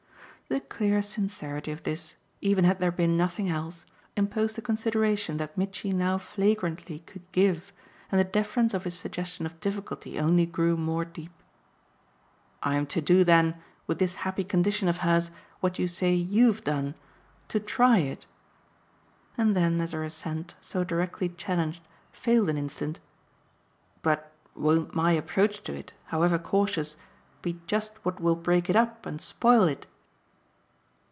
The clear sincerity of this, even had there been nothing else, imposed a consideration that Mitchy now flagrantly could give, and the deference of his suggestion of difficulty only grew more deep. "I'm to do then, with this happy condition of hers, what you say YOU'VE done to 'try' it?" And then as her assent, so directly challenged, failed an instant: "But won't my approach to it, however cautious, be just what will break it up and spoil it?"